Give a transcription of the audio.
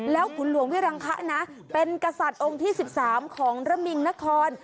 ขุนหลวงพี่รังคะนะเป็นกษัตริย์องค์ที่๑๓ของระมิงนคร